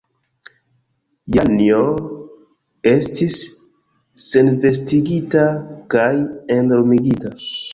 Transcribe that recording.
Janjo estis senvestigita kaj endormigita.